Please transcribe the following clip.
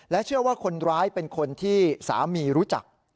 เชื่อว่าคนร้ายเป็นคนที่สามีรู้จัก